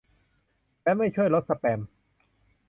และไม่ช่วยลดสแปม